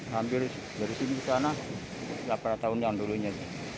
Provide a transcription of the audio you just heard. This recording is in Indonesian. hampir dari sini ke sana delapan rata undang dulunya